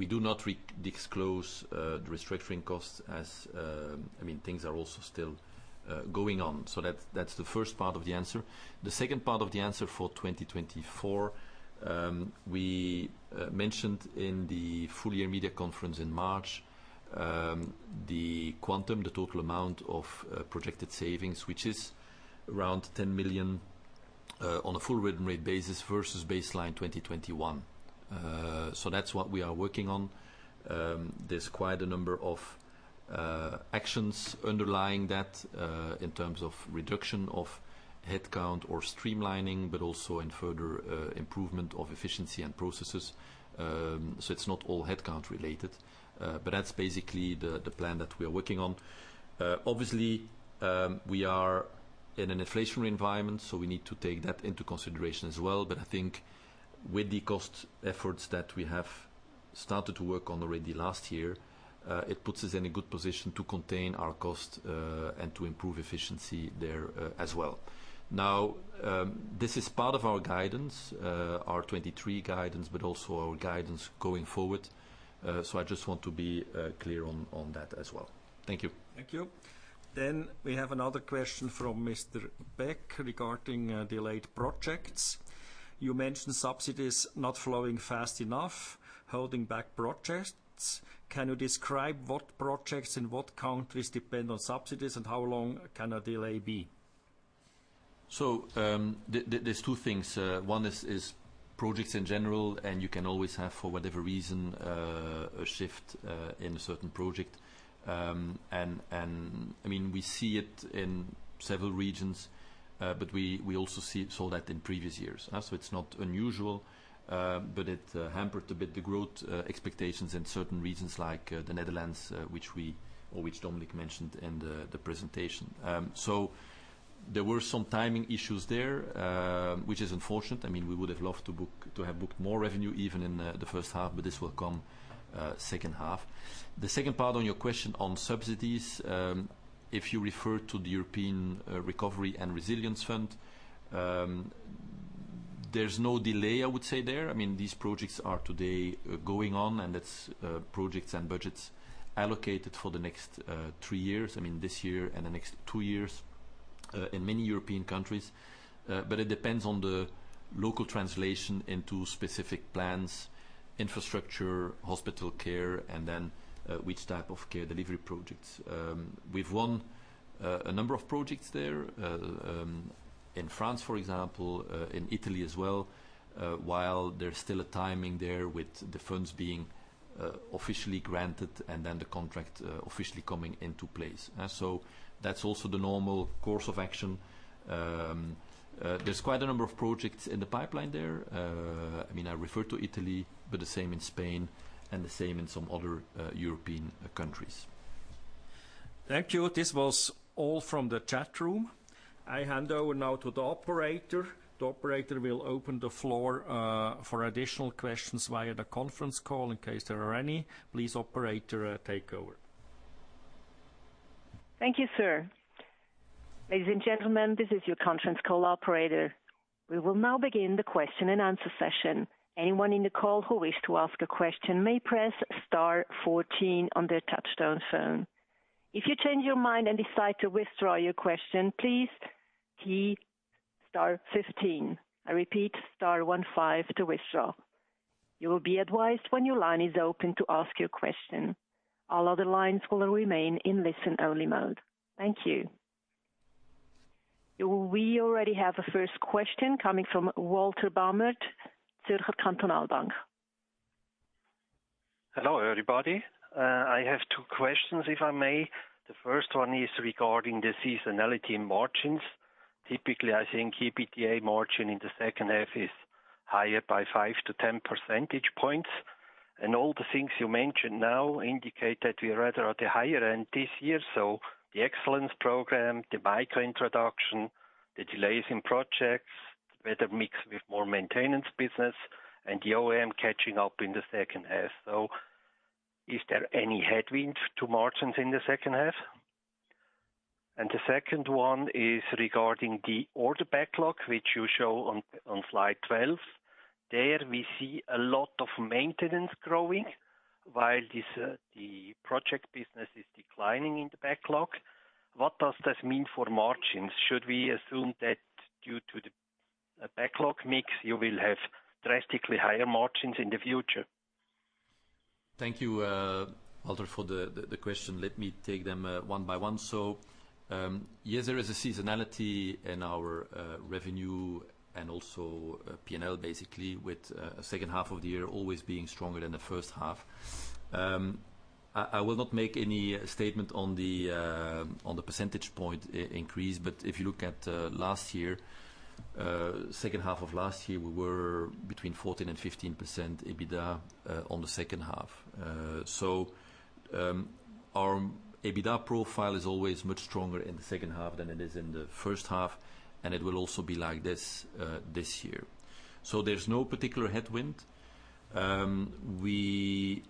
We do not redisclose the restructuring costs as, I mean, things are also still going on. That's, that's the first part of the answer. The second part of the answer for 2024, we mentioned in the full year media conference in March, the quantum, the total amount of projected savings, which is around 10 million on a full written rate basis versus baseline 2021. That's what we are working on. There's quite a number of actions underlying that, in terms of reduction of headcount or streamlining, but also in further improvement of efficiency and processes. It's not all headcount related, but that's basically the plan that we are working on. Obviously, we are in an inflationary environment, so we need to take that into consideration as well. I think with the cost efforts that we have started to work on already last year, it puts us in a good position to contain our cost and to improve efficiency there as well. This is part of our guidance, our 23 guidance, but also our guidance going forward. I just want to be clear on that as well. Thank you. Thank you. We have another question from Mr. Beck regarding delayed projects. You mentioned subsidies not flowing fast enough, holding back projects. Can you describe what projects and what countries depend on subsidies, and how long can a delay be? There's two things. One is projects in general, and you can always have, for whatever reason, a shift in a certain project. I mean, we see it in several regions, but we also saw that in previous years. It's not unusual, but it hampered a bit the growth expectations in certain regions, like the Netherlands, which we or which Dominik mentioned in the presentation. There were some timing issues there, which is unfortunate. I mean, we would have loved to book, to have booked more revenue, even in the first half, but this will come, second half. The second part on your question on subsidies, if you refer to the European Recovery and Resilience Fund, there's no delay, I would say, there. I mean, these projects are today going on, and that's projects and budgets allocated for the next three years. I mean, this year and the next two years, in many European countries. It depends on the local translation into specific plans, infrastructure, hospital care, and then which type of care delivery projects. We've won a number of projects there, in France, for example, in Italy as well, while there's still a timing there with the funds being officially granted and then the contract officially coming into place. That's also the normal course of action. There's quite a number of projects in the pipeline there. I mean, I refer to Italy, but the same in Spain and the same in some other European countries. Thank you. This was all from the chat room. I hand over now to the operator. The operator will open the floor for additional questions via the conference call, in case there are any. Please, operator, take over. Thank you, sir. Ladies and gentlemen, this is your conference call operator. We will now begin the question-and-answer session. Anyone in the call who wishes to ask a question may press star 14 on their touchtone phone. If you change your mind and decide to withdraw your question, please key star 15. I repeat, star 15 to withdraw. You will be advised when your line is open to ask your question. All other lines will remain in listen-only mode. Thank you. We already have a first question coming from Walter Bamert, Zurich Cantonal Bank. Hello, everybody. I have two questions, if I may. The first one is regarding the seasonality in margins. Typically, I think EBITDA margin in the second half is higher by 5-10 percentage points. All the things you mentioned now indicate that we are rather at the higher end this year, so the excellence program, the micro introduction, the delays in projects, better mix with more maintenance business, and the OEM catching up in the second half. Is there any headwinds to margins in the second half? The second one is regarding the order backlog, which you show on slide 12. There we see a lot of maintenance growing while this, the project business is declining in the backlog, what does this mean for margins? Should we assume that due to the backlog mix, you will have drastically higher margins in the future? Thank you, Walter, for the, the, the question. Let me take them one by one. Yes, there is a seasonality in our revenue and also PNL, basically, with second half of the year always being stronger than the first half. I, I will not make any statement on the percentage point increase, but if you look at last year, second half of last year, we were between 14%-15% EBITDA on the second half. Our EBITDA profile is always much stronger in the second half than it is in the first half, and it will also be like this this year. There's no particular headwind. We,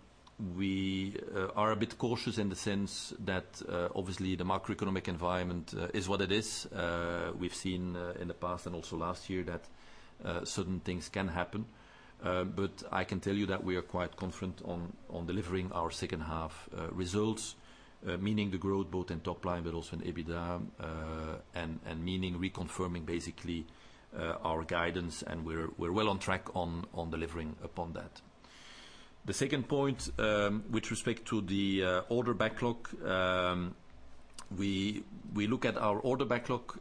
we are a bit cautious in the sense that, obviously, the macroeconomic environment is what it is. We've seen in the past and also last year, that certain things can happen. I can tell you that we are quite confident on, on delivering our second half results, meaning the growth both in top line, but also in EBITDA, and meaning reconfirming basically our guidance, and we're, we're well on track on, on delivering upon that. The second point, with respect to the order backlog, we, we look at our order backlog,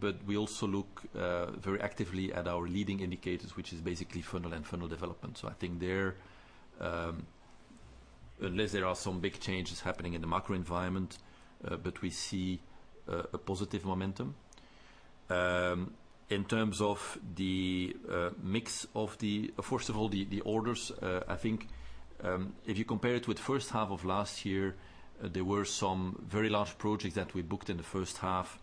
but we also look very actively at our leading indicators, which is basically funnel and funnel development. I think there, unless there are some big changes happening in the macro environment, but we see a positive momentum. In terms of the mix of the... First of all, the, the orders, I think, if you compare it with the first half of last year, there were some very large projects that we booked in the first half,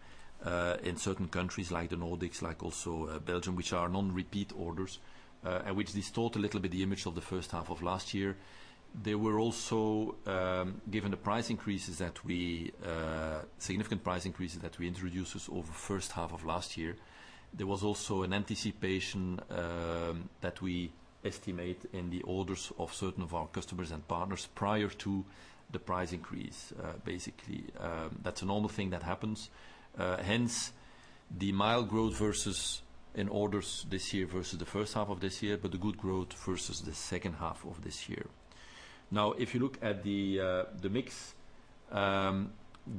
in certain countries, like the Nordics, like also, Belgium, which are non-repeat orders, and which distort a little bit the image of the first half of last year. There were also, given the price increases that we, significant price increases that we introduced over the first half of last year, there was also an anticipation, that we estimate in the orders of certain of our customers and partners prior to the price increase. Basically, that's a normal thing that happens, hence the mild growth versus in orders this year, versus the first half of this year, but the good growth versus the second half of this year. If you look at the, the mix,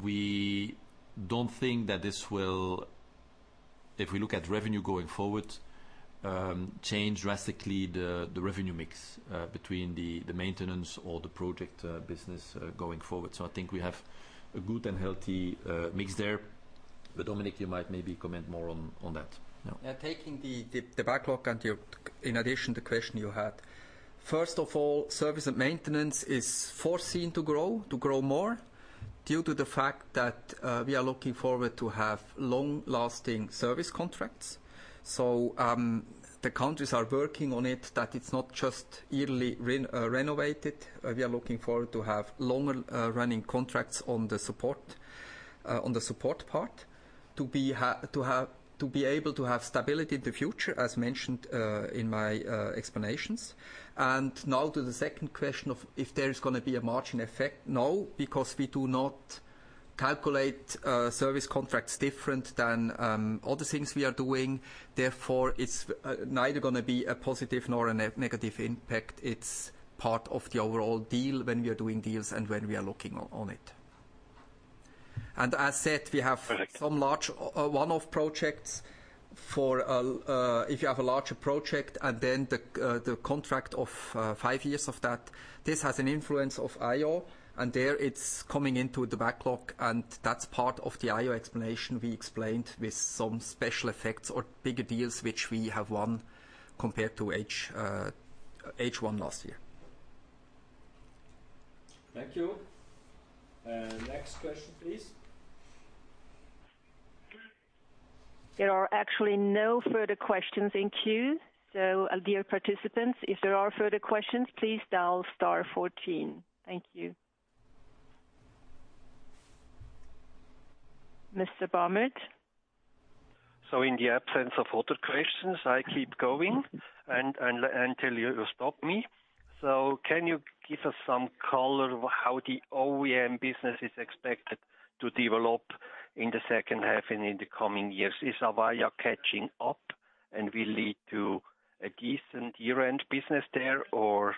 we don't think that this will, if we look at revenue going forward, change drastically the, the revenue mix, between the, the maintenance or the project, business, going forward. I think we have a good and healthy, mix there. Dominik, you might maybe comment more on, on that. Yeah. Yeah, taking the backlog and the, in addition, the question you had. First of all, service and maintenance is foreseen to grow, to grow more due to the fact that we are looking forward to have long-lasting service contracts. The countries are working on it, that it's not just yearly renovated. We are looking forward to have longer running contracts on the support on the support part, to be able to have stability in the future, as mentioned in my explanations. Now to the second question of if there is gonna be a margin effect, no, because we do not calculate service contracts different than other things we are doing. Therefore, it's neither gonna be a positive nor a negative impact. It's part of the overall deal when we are doing deals and when we are looking on, on it. As said, we have. Perfect. some large, one-off projects for, if you have a larger project, and then the, the contract of, five years of that, this has an influence of IO, and there it's coming into the backlog, and that's part of the IO explanation we explained with some special effects or bigger deals, which we have won compared to H1 last year. Thank you. Next question, please. There are actually no further questions in queue. Dear participants, if there are further questions, please dial star 14. Thank you. Mr. Bamert? In the absence of other questions, I keep going until you stop me. Can you give us some color of how the OEM business is expected to develop in the second half and in the coming years? Is Avaya catching up and will lead to a decent year-end business there, or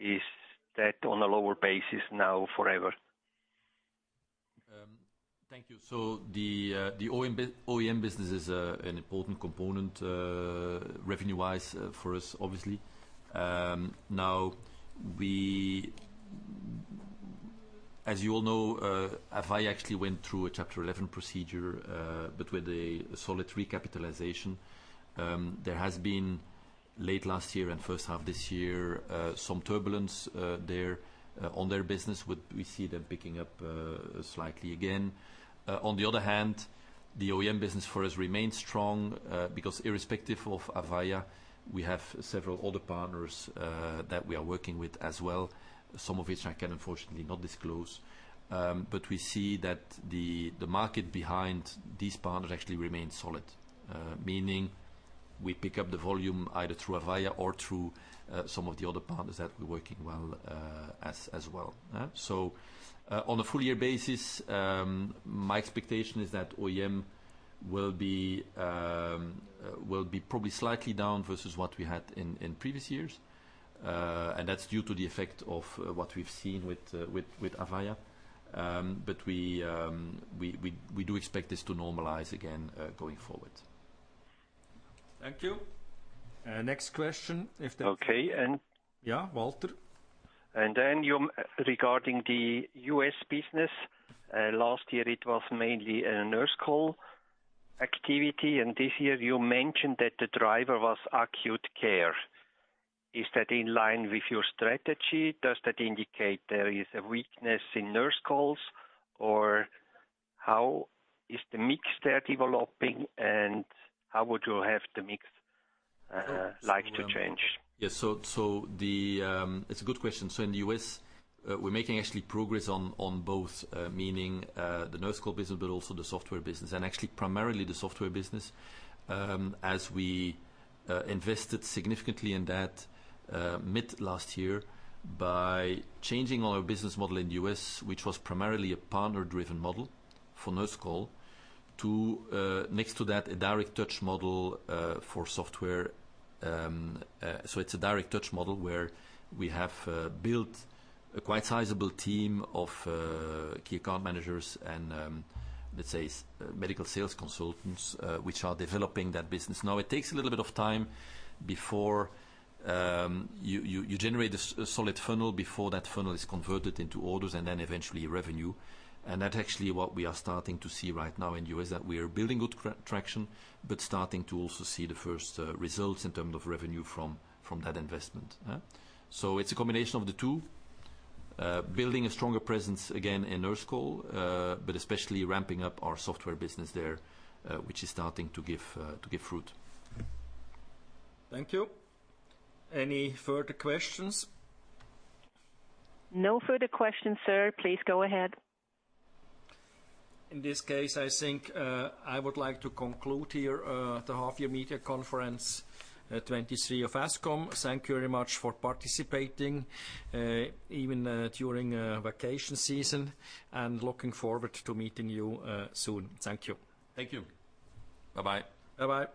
is that on a lower basis now forever? Thank you. The OEM business is an important component, revenue-wise, for us, obviously. As you all know, Avaya actually went through a Chapter 11 procedure, but with a solid recapitalization. There has been, late last year and first half this year, some turbulence there on their business. We see them picking up slightly again. On the other hand, the OEM business for us remains strong, because irrespective of Avaya, we have several other partners that we are working with as well, some of which I can unfortunately not disclose. We see that the market behind these partners actually remains solid. We pick up the volume either through Avaya or through some of the other partners that we're working well as, as well. On a full year basis, my expectation is that OEM will be will be probably slightly down versus what we had in previous years. That's due to the effect of what we've seen with, with Avaya. We, we, we do expect this to normalize again going forward. Thank you. Next question, if there's- Okay. Yeah, Walter? Then you, regarding the U.S. business, last year it was mainly a Nurse Call activity, and this year you mentioned that the driver was acute care. Is that in line with your strategy? Does that indicate there is a weakness in Nurse Call, or how is the mix there developing, and how would you have the mix, like to change? Yes, so, so the... It's a good question. In the U.S., we're making actually progress on, on both, meaning, the Nurse Call business, but also the software business, and actually primarily the software business. As we invested significantly in that mid last year by changing our business model in the U.S., which was primarily a partner-driven model for Nurse Call, to next to that, a direct touch model for software. So it's a direct touch model where we have built a quite sizable team of key account managers and, let's say, medical sales consultants, which are developing that business. Now, it takes a little bit of time before you, you, you generate a solid funnel, before that funnel is converted into orders and then eventually revenue. That actually, what we are starting to see right now in U.S., that we are building good traction, but starting to also see the first results in terms of revenue from, from that investment. It's a combination of the two. Building a stronger presence again in Nurse Call, but especially ramping up our software business there, which is starting to give to give fruit. Thank you. Any further questions? No further questions, sir. Please go ahead. In this case, I think, I would like to conclude here, the half year media conference, 2023 of Ascom. Thank you very much for participating, even, during, vacation season, and looking forward to meeting you, soon. Thank you. Thank you. Bye-bye. Bye-bye.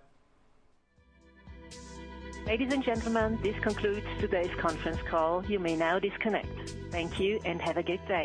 Ladies and gentlemen, this concludes today's conference call. You may now disconnect. Thank you, and have a good day.